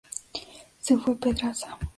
Se fue Pedraza.